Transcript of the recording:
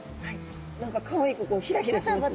何かかわいくヒラヒラしてますね。